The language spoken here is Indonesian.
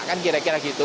kan kira kira gitu